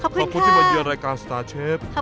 ขอบคุณที่มาเยือนรายการสตาร์เชฟ